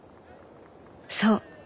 そう。